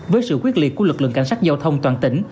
với sự quyết liệt của lực lượng cảnh sát giao thông toàn tỉnh